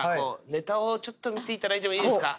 ネタをちょっと見て頂いてもいいですか？